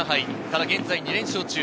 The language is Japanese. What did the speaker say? ただ現在２連勝中。